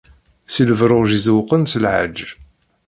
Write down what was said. Si lebruǧ izewwqen s lɛaǧ.